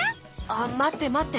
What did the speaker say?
あっまってまって！